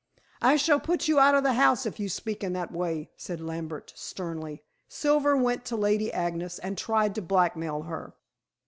"I shall put you out of the house if you speak in that way," said Lambert sternly. "Silver went to Lady Agnes and tried to blackmail her."